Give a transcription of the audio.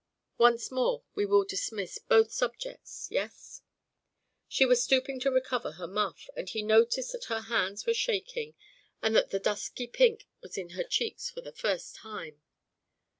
Once more we will dismiss both subjects. Yes?" She was stooping to recover her muff, and he noticed that her hands were shaking and that the dusky pink was in her cheeks for the first time.